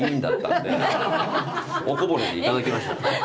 おこぼれで頂きました。